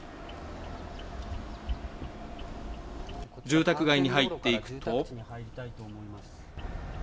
住宅街に入っていくと。